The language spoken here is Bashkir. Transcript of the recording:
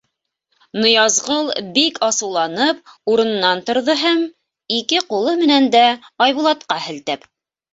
Ныязғол бик асыуланып урынынан торҙо һәм, ике ҡулы менән дә Айбулатҡа һелтәп: